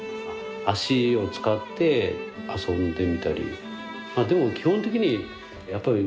足を使って遊んでみたり。